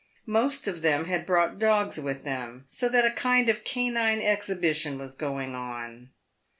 Most of them had brought dogs w T ith them, so that a kind of canine exhibition was going on.